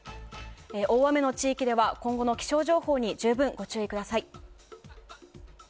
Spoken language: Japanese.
大雨の地域では今後の気象情報に十分、ご注意ください。